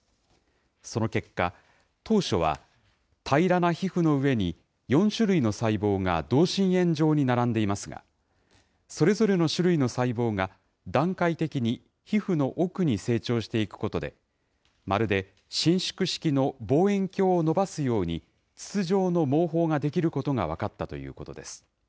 その結果、当初は平らな皮膚の上に４種類の細胞が同心円状に並んでいますが、それぞれの種類の細胞が段階的に皮膚の奥に成長していくことで、まるで伸縮式の望遠鏡を伸ばすように、筒状の毛包が出来ることが分かったということです。